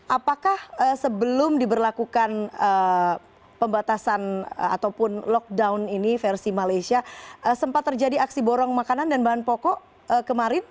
apakah sebelum diberlakukan pembatasan ataupun lockdown ini versi malaysia sempat terjadi aksi borong makanan dan bahan pokok kemarin